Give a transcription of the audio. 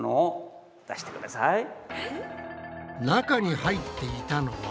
中に入っていたのは。